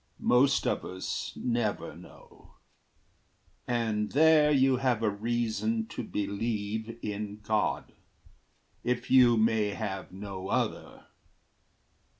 Most of us never know And there you have a reason to believe In God, if you may have no other.